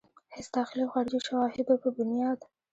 هيڅ داخلي او خارجي شواهدو پۀ بنياد